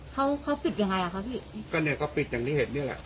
เขาเขาปิดยังไงอ่ะคะพี่ก็เนี่ยก็ปิดอย่างที่เห็นนี่แหละ